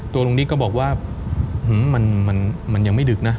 ตัวลุงศักดิ์นิสก็บอกว่าหืมมันยังไม่ดึกนะ